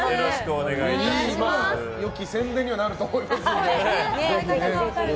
良き宣伝にはなると思いますので。